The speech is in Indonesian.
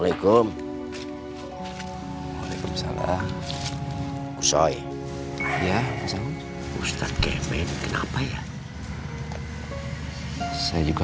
lebih baik diri cantik dengan nyemak